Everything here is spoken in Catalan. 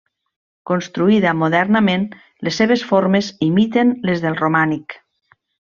Construïda modernament, les seves formes imiten les del romànic.